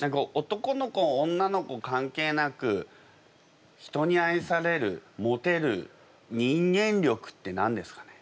男の子女の子関係なく人に愛されるモテる人間力って何ですかね？